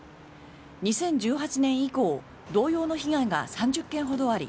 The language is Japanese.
２０１８年以降同様の被害が３０件ほどあり